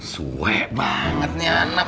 sue banget nih anak